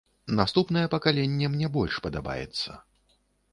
Наступнае пакаленне мне больш падабаецца.